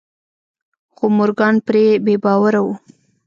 خو مورګان پرې بې باوره و.